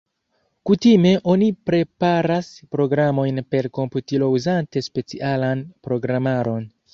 Kutime oni preparas programojn per komputilo uzante specialan programaron.